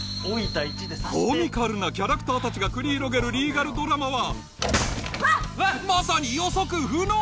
コミカルなキャラクター達が繰り広げるリーガルドラマはまさに予測不能！